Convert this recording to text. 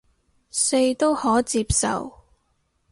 四都可接受